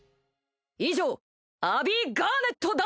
以上アビー＝ガーネットだ！